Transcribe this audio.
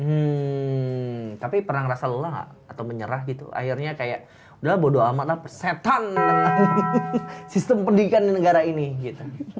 hmm tapi pernah ngerasa lelah atau menyerah gitu akhirnya kayak udah bodoh amat lah setan sistem pendidikan di negara ini gitu